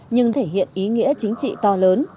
nhưng thể hiện ý nghĩa chính trị to lớn